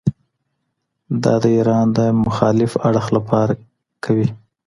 دا د ايران د مخالف اړخ له پاره کوي.